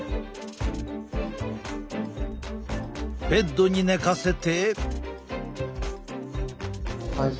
ベッドに寝かせて。